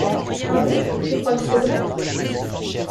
Ah bon? Tu crois que c'est vrai ?